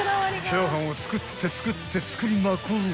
［チャーハンを作って作って作りまくる］